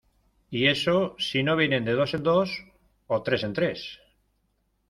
y eso si no vienen de dos en dos o tres en tres.